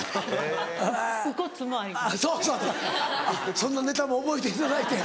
そんなネタも覚えていただいて。